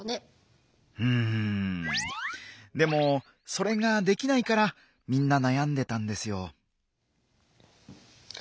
うんでもそれができないからみんな悩んでたんですよ。